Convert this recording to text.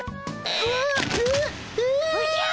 おじゃ！